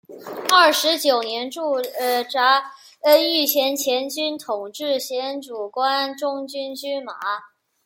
二十九年驻扎御前前军统制兼主管中军军马。